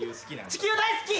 地球大好き！